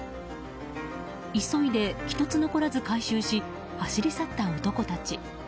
急いで１つ残らず回収し走り去った男たち。